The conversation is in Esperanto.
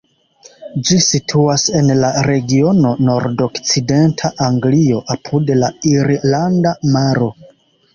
Ĝi situas en la regiono nordokcidenta Anglio, apud la Irlanda Maro.